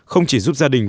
không chỉ giúp gia đình